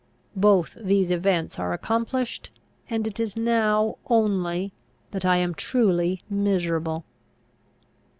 Both these events are accomplished; and it is now only that I am truly miserable.